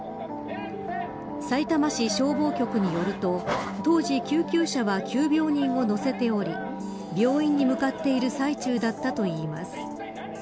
さいたま市消防局によると当時、救急車は急病人を乗せており病院に向かっている最中だったといいます。